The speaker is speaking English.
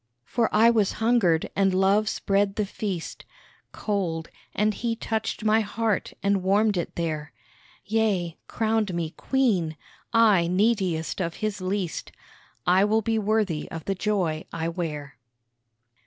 For I was hungered and Love spread the feast, Cold and He touched my heart and warmed it there, Yea, crowned me Queen I neediest of His least, I will be worthy of the joy I wear.